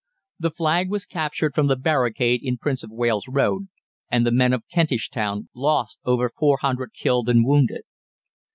The flag was captured from the barricade in Prince of Wales Road, and the men of Kentish Town lost over four hundred killed and wounded.